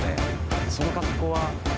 その格好は。